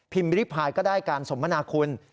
พิมพ์ริภายก็ได้การสมมนาคุณ